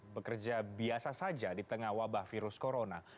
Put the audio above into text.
bekerja biasa saja di tengah wabah virus corona